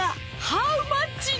ハウマッチ？